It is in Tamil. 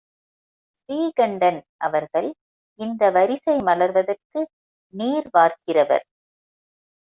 ஸ்ரீகண்டன் அவர்கள் இந்த வரிசை மலர்வதற்கு நீர் வார்க்கிறவர்.